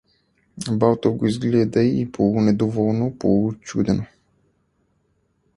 Балтов го изгледа полунедоволно, полуучудено.